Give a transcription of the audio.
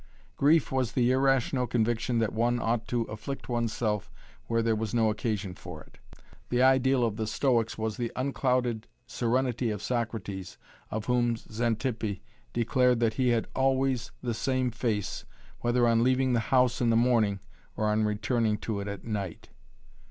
Grief was the irrational conviction that one ought to afflict oneself where there was no occasion for it. The ideal of the Stoics was the unclouded serenity of Socrates of whom Xanthippe declared that he had always the same face whether on leaving the house In the morning or on returning to it at night.